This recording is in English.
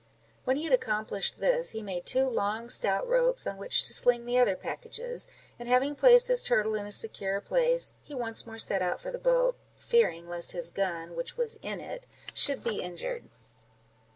When he had accomplished this, he made two long stout ropes on which to sling the other packages; and having placed his turtle in a secure place, he once more set out for the boat, fearing lest his gun, which was in it, should be injured.